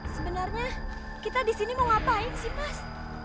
sebenarnya kita di sini mau ngapain sih mas